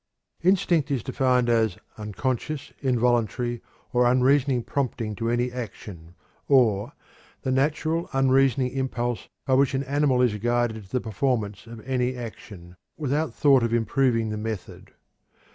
Instinct is defined as "unconscious, involuntary, or unreasoning prompting to any action," or "the natural unreasoning impulse by which an animal is guided to the performance of any action, without thought of improving the method."